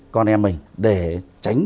con em mình để tránh